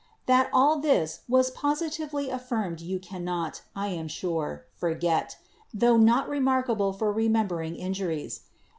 That all this was posi tively affirmed you cannot, I am sure, forget, tho not remarkable for remembering injuries.